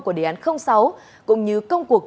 của đề án sáu cũng như công cuộc